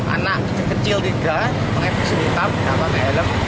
anak kecil tiga pakai pusing hitam dapat kelem